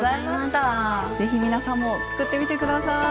是非皆さんも作ってみて下さい。